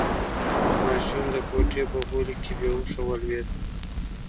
ماشوم د کوټې په غولي کې بې هوښه ولوېد.